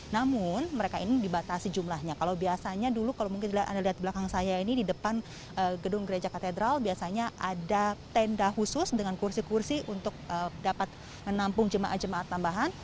namun mereka ini dibatasi jumlahnya kalau biasanya dulu kalau mungkin anda lihat belakang saya ini di depan gedung gereja katedral biasanya ada tenda khusus dengan kursi kursi untuk dapat menampung jemaat jemaat tambahan